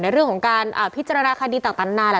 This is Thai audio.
เรื่องของการพิจารณาคดีต่างนานาแหละ